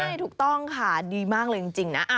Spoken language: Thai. ใช่ถูกต้องค่ะดีมากเลยจริงนะ